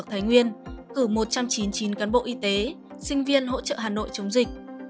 tỉnh thái nguyên và trường đại học y dược thái nguyên cử một trăm chín mươi chín cán bộ y tế sinh viên hỗ trợ hà nội chống dịch